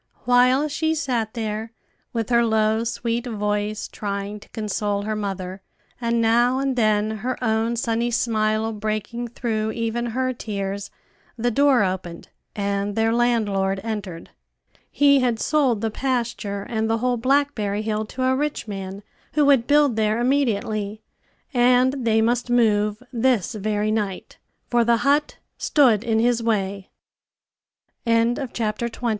While she sat there, with her low, sweet voice, trying to console her mother, and now and then her own sunny smile breaking through even her tears, the door opened, and their landlord entered. He had sold the pasture and the whole blackberry hill to a rich man who would build there immediately; and they must move this very night, for the hut stood in his way. CHAPTER XXI.